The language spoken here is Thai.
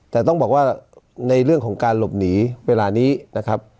แต่ต้องบอกว่าในเรื่องของการหลบหนีเวลานี้นะครับ